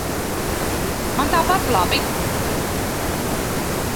Man tāpat labi.